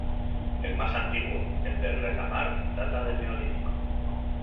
El más antiguo, el de El Retamar, data del Neolítico.